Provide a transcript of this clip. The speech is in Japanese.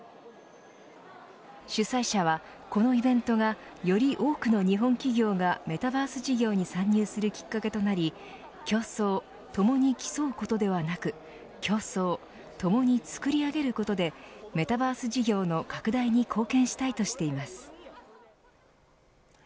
主催者は、このイベントがより多くの日本企業がメタバース事業に参入するきっかけとなり競争、共に競うことではなく共創、ともに創り上げることでメタバース事業の拡大に貢献したいとしています。